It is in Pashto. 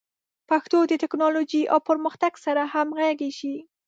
پښتو د ټکنالوژۍ او پرمختګ سره همغږي شي.